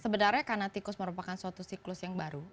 sebenarnya karena tikus merupakan suatu siklus yang baru